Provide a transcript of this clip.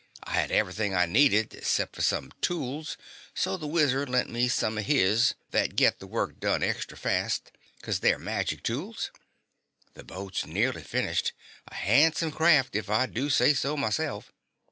I had everythin' I needed 'cept fer some tools, so the Wizard lent me some o' his thet get the work done extra fast, 'cause they're magic tools. The boat's nearly finished a handsome craft if I do say so myself.